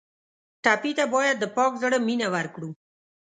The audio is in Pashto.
ټپي ته باید د پاک زړه مینه ورکړو.